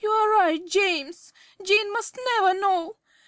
~ You are right, James. Jane must never know.